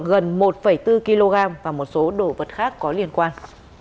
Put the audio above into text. tăng vật thu giữ bốn bánh heroin có khối lượng gần một bốn kg và một số đồ vật khác có liên quan